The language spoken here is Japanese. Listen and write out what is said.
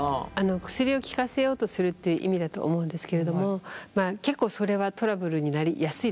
薬を効かせようとするっていう意味だと思うんですけれどもまあ結構それはトラブルになりやすいですね。